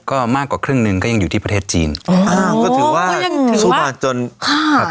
ก็มากกว่าครึ่งหนึ่งก็ยังอยู่ที่ประเทศจีนอ้าวก็ถือว่าสู้มาจนแบบ